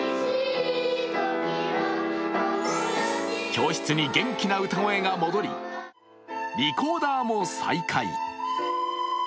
教室に元気な歌声が戻り、リコーダーも再開。